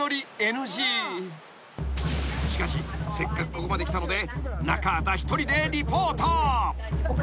［しかしせっかくここまで来たので］